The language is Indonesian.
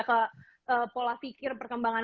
ke pola pikir perkembangan